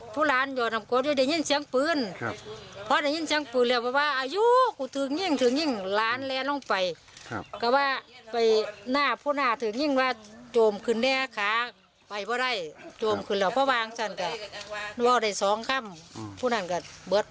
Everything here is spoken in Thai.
ผู้หลานโดนนำกด